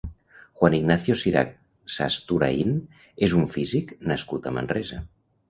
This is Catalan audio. Juan Ignacio Cirac Sasturain és un físic nascut a Manresa.